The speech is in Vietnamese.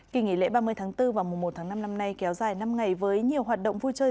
kỳ nghỉ lễ ba mươi tháng bốn và mùa một tháng năm năm nay kéo dài năm ngày với nhiều hoạt động vui chơi